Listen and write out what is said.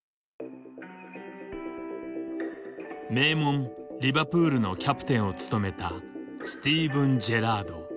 名門リバプールのキャプテンを務めたスティーブン・ジェラード。